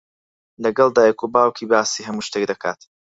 لەگەڵ دایک و باوکی باسی هەموو شتێک دەکات.